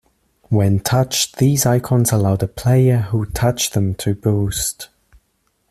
When touched these icons allow the player who touched them to boost.